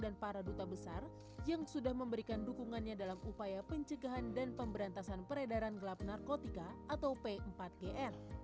dan para duta besar yang sudah memberikan dukungannya dalam upaya pencegahan dan pemberantasan peredaran gelap narkotika atau p empat gn